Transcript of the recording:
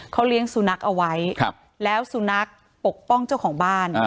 เขาเลี้ยงสุนัขเอาไว้แล้วสุนัขปกป้องเจ้าของบ้าน